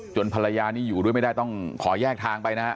ภรรยานี่อยู่ด้วยไม่ได้ต้องขอแยกทางไปนะฮะ